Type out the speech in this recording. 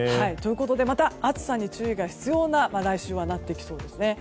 また暑さに注意が必要と来週はなってきそうです。